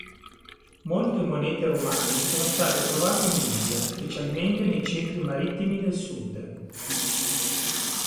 Molte monete romane sono state trovate in India, specialmente nei centri marittimi del sud.